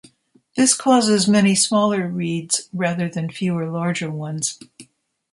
This causes many smaller reads rather than fewer larger ones.